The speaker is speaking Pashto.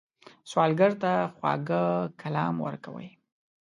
سوالګر ته خواږه کلام ورکوئ